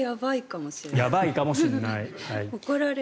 やばいかもしれない。